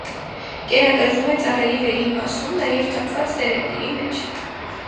Կերակրվում է ծառերի վերին մասում, նաև թափված տերևների մեջ։